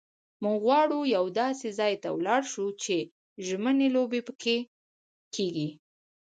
موږ غواړو یوه داسې ځای ته ولاړ شو چې ژمنۍ لوبې پکښې کېږي.